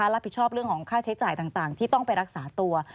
รับผิดชอบเรื่องของค่าใช้จ่ายต่างที่ต้องไปรักษาตัว